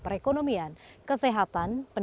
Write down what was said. perusahaan sesuai gescholes und